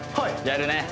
やるね